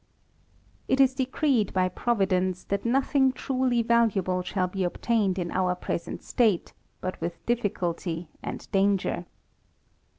THE RAMBLER. 63 It is decreed by Providence, that nothing truly valuable shall be obtained in our present state, but with difficulty and danger.